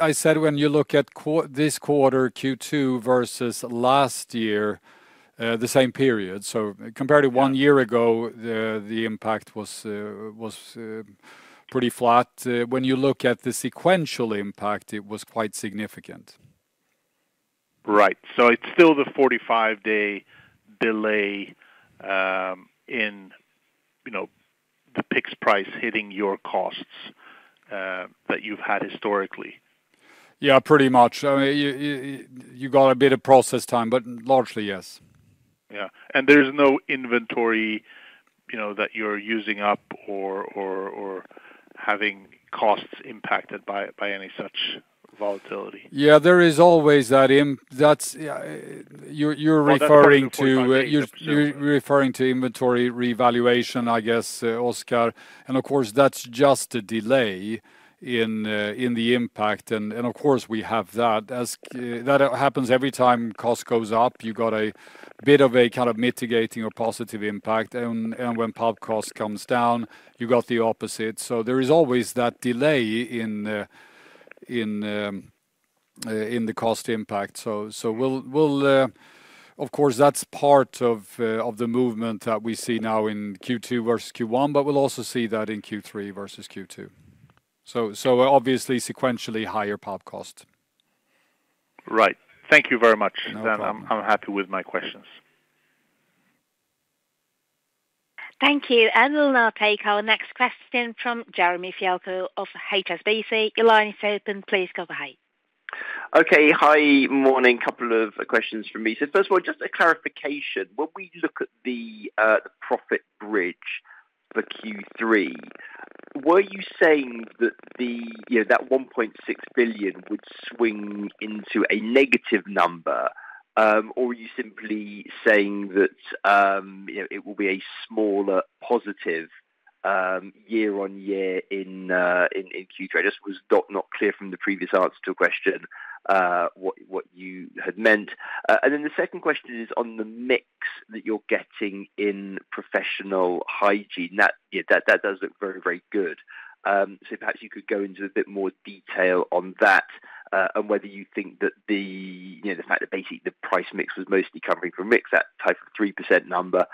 I said when you look at this quarter, Q2, versus last year, the same period, so compared to one year ago, the impact was pretty flat. When you look at the sequential impact, it was quite significant. Right. So it's still the 45-day delay, you know, the pulp price hitting your costs, that you've had historically? Yeah, pretty much. You got a bit of process time, but largely, yes. Yeah. There's no inventory, you know, that you're using up or having costs impacted by any such volatility? Yeah, there is always that— that's you're referring to well, that's 45 days... You're referring to inventory revaluation, I guess, Oskar, and of course, that's just a delay in the impact, and of course, we have that. As that happens every time cost goes up, you got a bit of a kind of mitigating or positive impact, and when pulp cost comes down, you got the opposite. So there is always that delay in the cost impact. So we'll... Of course, that's part of the movement that we see now in Q2 versus Q1, but we'll also see that in Q3 versus Q2. So obviously, sequentially higher pulp cost. Right. Thank you very much. No problem. Then I'm happy with my questions. Thank you, and we'll now take our next question from Jeremy Fialko of HSBC. Your line is open. Please go ahead. Okay. Hi, morning. Couple of questions from me. So first of all, just a clarification: When we look at the profit bridge for Q3, were you saying that the, you know, that 1.6 billion would swing into a negative number, or are you simply saying that, you know, it will be a smaller positive, year-on-year in Q3? I just was not clear from the previous answer to a question, what you had meant. And then the second question is on the mix that you're getting in professional hygiene. That, yeah, that does look very, very good. So perhaps you could go into a bit more detail on that, and whether you think that the... You know, the fact that basically the price mix was mostly coming from mix, that type of 3% number,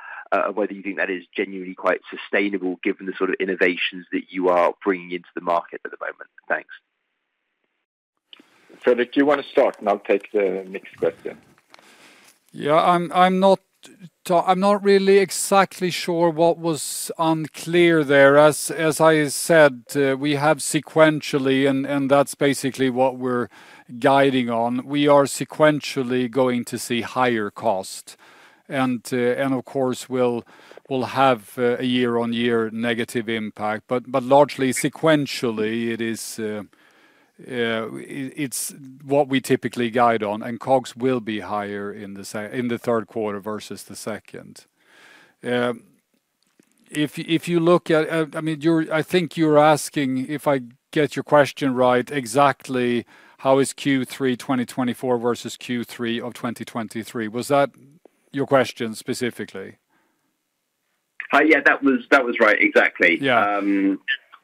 whether you think that is genuinely quite sustainable, given the sort of innovations that you are bringing into the market at the moment? Thanks. Fredrik, you want to start, and I'll take the next question? Yeah, I'm not really exactly sure what was unclear there. As I said, we have sequentially, and that's basically what we're guiding on. We are sequentially going to see higher cost, and of course, we'll have a year-on-year negative impact, but largely, sequentially, it is, it's what we typically guide on, and COGS will be higher in the third quarter versus the second. If you look at, I mean, I think you're asking, if I get your question right, exactly how is Q3 2024 versus Q3 of 2023. Was that your question specifically? Yeah, that was right. Exactly. Yeah.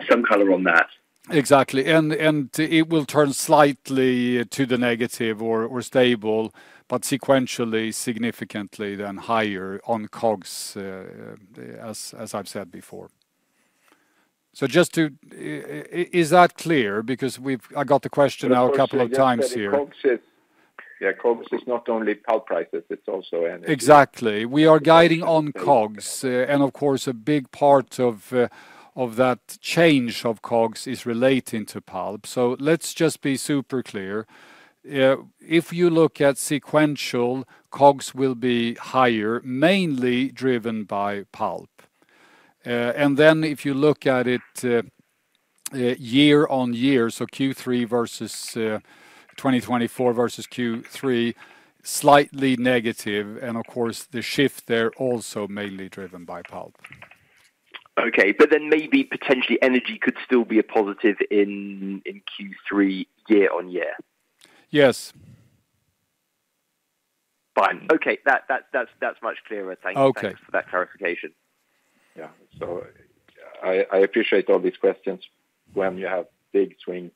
Some color on that. Exactly. And it will turn slightly to the negative or stable, but sequentially, significantly then higher on COGS, as I've said before. So just to, Is that clear? Because we've got the question now a couple of times here. Of course, yeah, COGS is not only pulp prices, it's also energy. Exactly. We are guiding on COGS, and of course, a big part of that change of COGS is relating to pulp. So let's just be super clear. If you look at sequential, COGS will be higher, mainly driven by pulp. And then if you look at it, year on year, so Q3 versus 2024 versus Q3, slightly negative, and of course, the shift there also mainly driven by pulp. Okay, but then maybe potentially energy could still be a positive in Q3 year-on-year? Yes. Okay, that's much clearer. Thank you. Okay. Thanks for that clarification. Yeah. So I appreciate all these questions. When you have big swing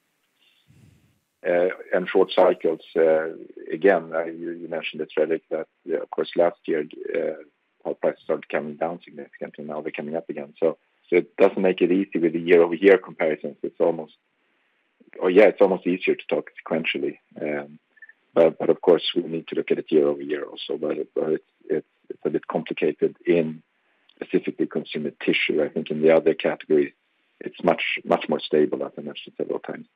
and short cycles, again, you mentioned the trend that, yeah, of course, last year, pulp started coming down significantly, now they're coming up again. So it doesn't make it easy with the year-over-year comparisons. It's almost, oh, yeah, it's almost easier to talk sequentially. But of course, we need to look at it year-over-year also. But it's a bit complicated in specifically consumer tissue. I think in the other categories, it's much more stable, as I mentioned several times.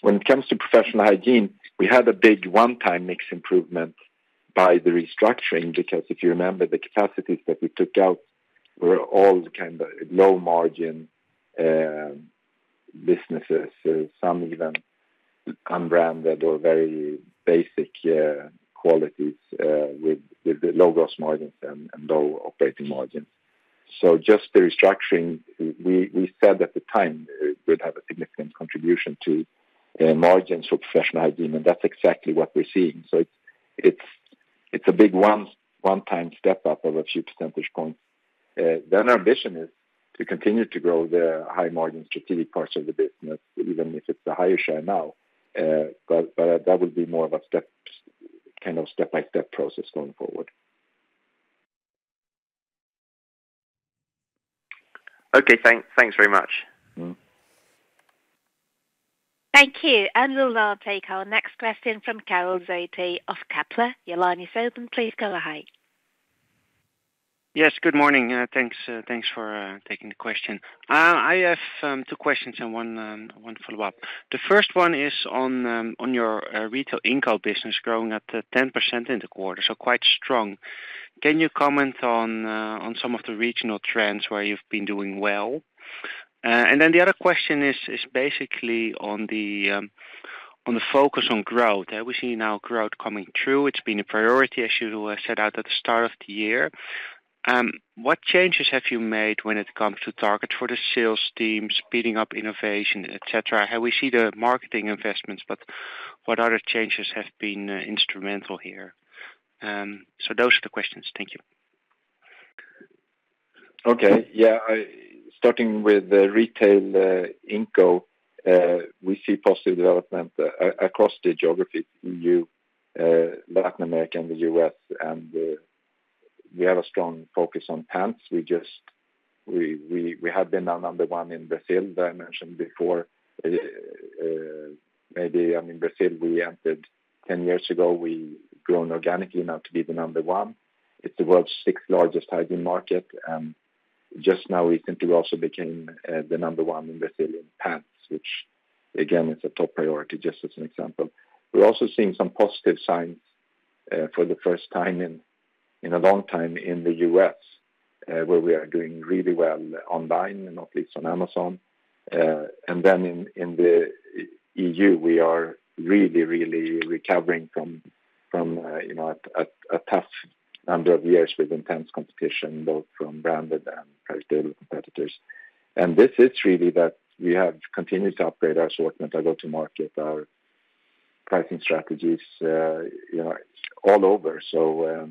When it comes to professional hygiene, we had a big one-time mix improvement by the restructuring, because if you remember, the capacities that we took out were all kind of low margin businesses, so some even unbranded or very basic qualities with low gross margins and low operating margins. So just the restructuring, we said at the time, it would have a significant contribution to margins for professional hygiene, and that's exactly what we're seeing. So it's a big one-time step up of a few percentage points. Then our ambition is to continue to grow the high margin strategic parts of the business, even if it's a higher share now, but that would be more of a step kind step-by-step process going forward. Okay, thanks very much. Mm-hmm. Thank you. We'll now take our next question from Karel Zoete of Kepler Cheuvreux. Your line is open. Please go ahead. Yes, good morning, thanks for taking the question. I have two questions and one follow-up. The first one is on your retail Inco business growing at 10% in the quarter, so quite strong. Can you comment on some of the regional trends where you've been doing well? And then the other question is basically on the focus on growth. We're seeing now growth coming through. It's been a priority, as you set out at the start of the year. What changes have you made when it comes to targets for the sales team, speeding up innovation, et cetera? How we see the marketing investments, but what other changes have been instrumental here? So those are the questions. Thank you. Okay. Yeah, starting with the retail, Inco, we see positive development across the geography, EU, Latin America, and the U.S., and we have a strong focus on pants. We just have been now number one in Brazil, that I mentioned before, maybe, I mean, Brazil, we entered 10 years ago. We've grown organically now to be the number one. It's the world's sixth largest hygiene market, and just now we think we also became the number one in Brazilian pants, which again is a top priority, just as an example. We're also seeing some positive signs for the first time in a long time in the U.S., where we are doing really well online, and not least on Amazon. And then in the EU, we are really, really recovering from, from you know, a tough number of years with intense competition, both from branded and private label competitors. And this is really that we have continued to upgrade our assortment, our go-to-market, our pricing strategies, you know, all over. So,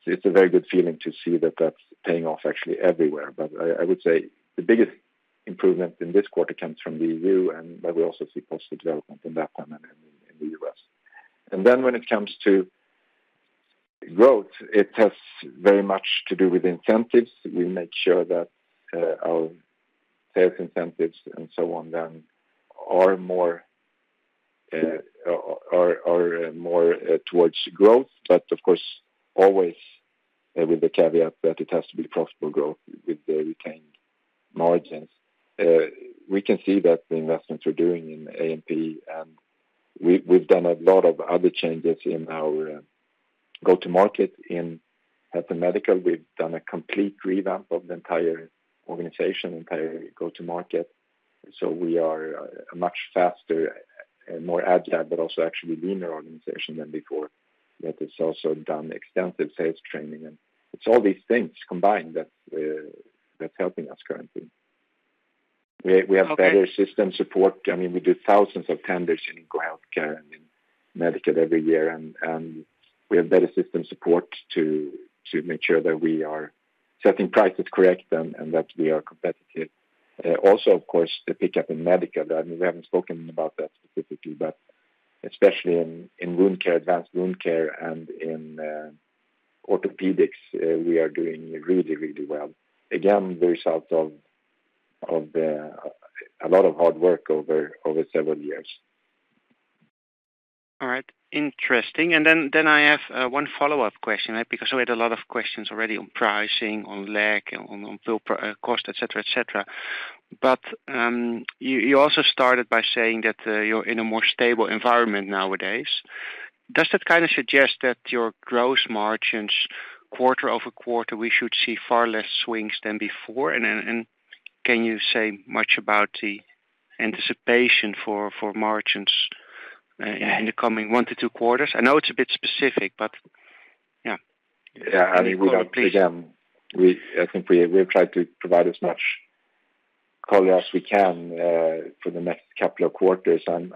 it's a very good feeling to see that that's paying off actually everywhere. But I would say the biggest improvement in this quarter comes from the EU, and but we also see positive development in Latin and in the U.S. And then when it comes to growth, it has very much to do with incentives. We make sure that our sales incentives and so on, then, are more towards growth, but of course, always with the caveat that it has to be profitable growth with the retained margins. We can see that the investments we're doing in A&P, and we've done a lot of other changes in our go-to-market. In Health & Medical, we've done a complete revamp of the entire organization, entire go-to-market. So we are a much faster and more agile, but also actually leaner organization than before. But it's also done extensive sales training, and it's all these things combined that that's helping us currently. Okay. We have better system support. I mean, we do thousands of tenders in healthcare and in medical every year, and we have better system support to make sure that we are setting prices correct and that we are competitive. Also, of course, the pickup in medical, I mean, we haven't spoken about that specifically, but especially in wound care, advanced wound care, and in orthopedics, we are doing really, really well. Again, the result of a lot of hard work over several years. All right. Interesting. And then I have 1 follow-up question, because we had a lot of questions already on pricing, on lag, on bill cost, et cetera, et cetera. But you also started by saying that you're in a more stable environment nowadays. Does that kinda suggest that your gross margins, quarter-over-quarter, we should see far less swings than before? And then and can you say much about the anticipation for margins in the coming 1 to 2 quarters? I know it's a bit specific, but yeah. Yeah, I mean, we got, again, we I think we have tried to provide as much color as we can for the next couple of quarters. And,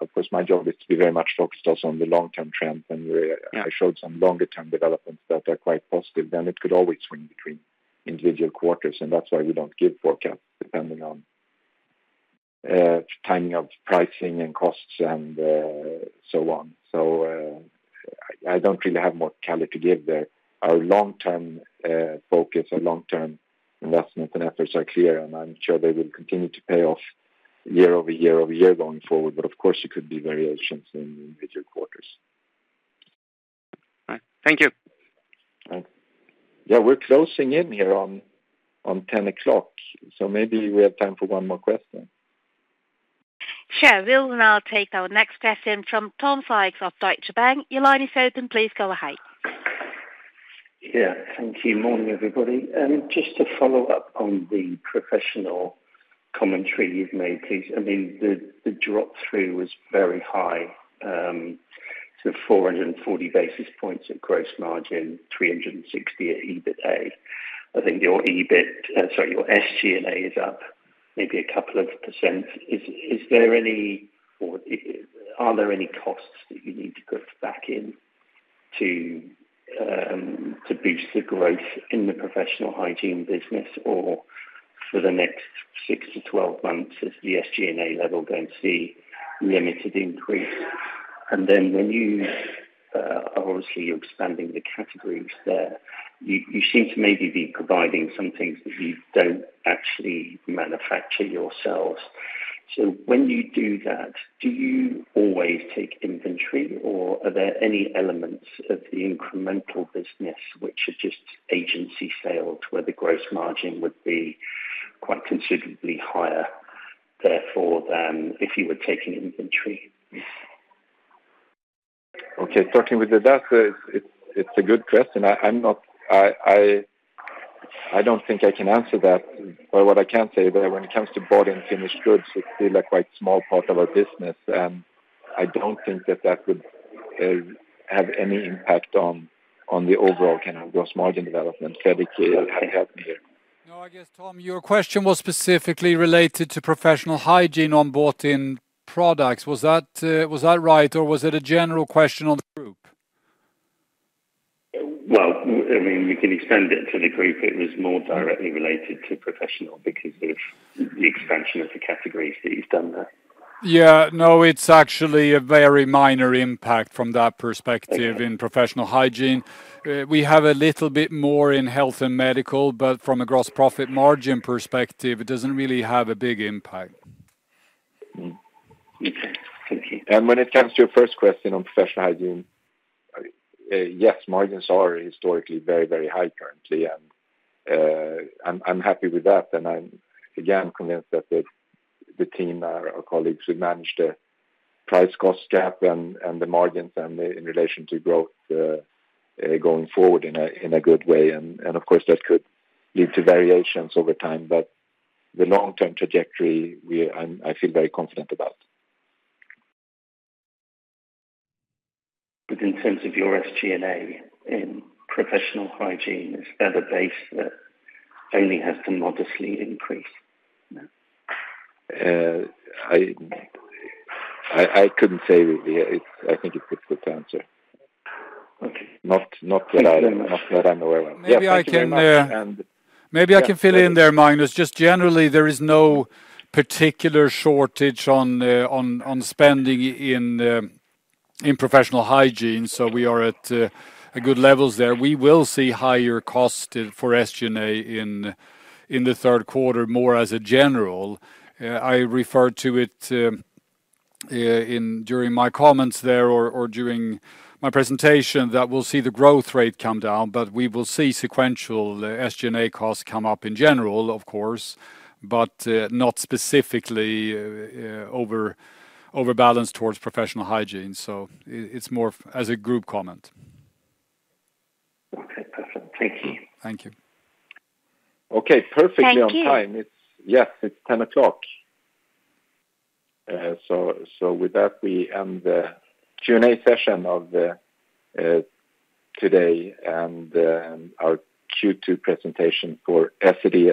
of course, my job is to be very much focused also on the long-term trend, and we, I showed some longer term developments that are quite positive, then it could always swing between individual quarters, and that's why we don't give forecasts, depending on, timing of pricing and costs and, so on. So, I don't really have more clarity to give there. Our long-term, focus, our long-term investment and efforts are clear, and I'm sure they will continue to pay off year-over-year, over year, going forward. But of course, it could be variations in individual quarters. All right. Thank you. Thanks. Yeah, we're closing in here on, on 10 o'clock, so maybe we have time for one more question. Sure. We'll now take our next question from Tom Sykes of Deutsche Bank. Your line is open. Please go ahead. Yeah, thank you. Morning, everybody. Just to follow up on the professional commentary you've made, please. I mean, the, the drop-through was very high to 440 basis points of gross margin, 360 at EBITA. I think your EBIT, sorry, your SG&A is up maybe a couple of %. Is, is there any or are there any costs that you need to put back in to, to boost the growth in the professional hygiene business? Or for the next six to 12 months, is the SG&A level going to see limited increase? And then when you obviously, you're expanding the categories there, you, you seem to maybe be providing some things that you don't actually manufacture yourselves. When you do that, do you always take inventory, or are there any elements of the incremental business which are just agency sales, where the gross margin would be quite considerably higher, therefore, than if you were taking inventory? Okay, starting with the data, it's a good question. I'm not—I don't think I can answer that. But what I can say that when it comes to bought and finished goods, it's still a quite small part of our business, and I don't think that would have any impact on the overall kind of gross margin development. Fredrik, help me here. No, I guess, Tom, your question was specifically related to professional hygiene on bought-in products. Was that, was that right, or was it a general question on the group? Well, I mean, we can extend it to the group. It was more directly related to professional, because of the expansion of the categories that you've done there. Yeah. No, it's actually a very minor impact from that perspective in professional hygiene. We have a little bit more in health and medical, but from a gross profit margin perspective, it doesn't really have a big impact. Mm. Okay. When it comes to your first question on professional hygiene, yes, margins are historically very, very high currently, and I'm happy with that. And I'm again convinced that the team, our colleagues who manage the price cost gap and the margins and in relation to growth, going forward in a good way. And of course, that could lead to variations over time, but the long-term trajectory, I feel very confident about. In terms of your SG&A in professional hygiene, is that a base that only has to modestly increase? I couldn't say. It's, I think it's a good answer. Okay. Not, not that I Thank you very much. Not that I'm aware of. Maybe I can, Yeah, thank you very much, and- Maybe I can fill in there, Magnus. Just generally, there is no particular shortage on spending in professional hygiene, so we are at good levels there. We will see higher costs for SG&A in the third quarter, more as a general. I referred to it during my comments there or during my presentation, that we'll see the growth rate come down, but we will see sequential SG&A costs come up in general, of course, but not specifically over balanced towards professional hygiene. So it's more as a group comment. Okay, perfect. Thank you. Thank you. Okay, perfectly- Thank you On time. It's, yes, it's 10:00 A.M. So with that, we end the Q&A session of today and our Q2 presentation for Essity.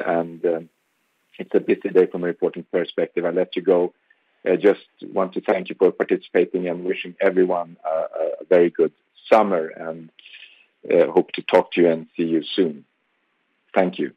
It's a busy day from a reporting perspective. I'll let you go. I just want to thank you for participating and wishing everyone a very good summer, and hope to talk to you and see you soon. Thank you.